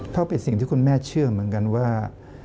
เพราะเป็นสิ่งที่คุณแม่เชื่อเหมือนกันว่า